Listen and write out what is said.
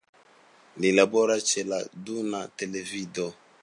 Li laboras ĉe la Duna Televido.